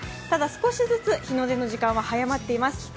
ただ少しずつ日の出の時間早まっています。